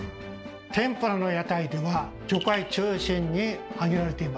天ぷらの屋台では魚介中心に限られていました。